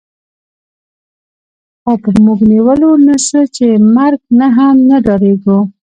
خو موږ نیولو نه څه چې مرګ نه هم نه ډارېږو